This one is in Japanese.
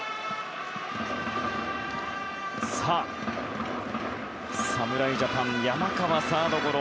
さあ、侍ジャパン山川はサードゴロ。